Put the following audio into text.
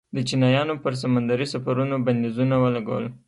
د چینایانو پر سمندري سفرونو بندیزونه ولګول.